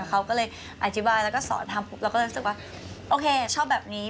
เขาก็เลยอธิบายแล้วก็สอนทำปุ๊บเราก็เลยรู้สึกว่าโอเคชอบแบบนี้